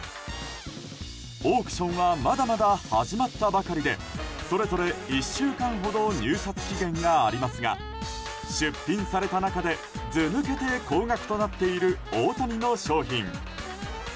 オークションはまだまだ始まったばかりでそれぞれ１週間ほど入札期限がありますが出品された中で頭抜けて高額となっている大谷の商品。